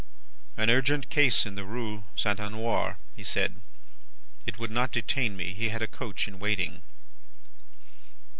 "An urgent case in the Rue St. Honore, he said. It would not detain me, he had a coach in waiting.